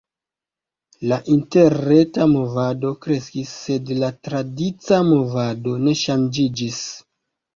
La interreta movado kreskis, sed la tradica movado ne ŝanĝiĝis.